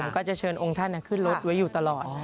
ตรงท่านเนี่ยขึ้นรถไว้อยู่ตลอด